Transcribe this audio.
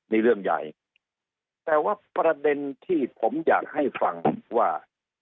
นี่เรื่องใหญ่แต่ว่าประเด็นที่ผมอยากให้ฟังว่า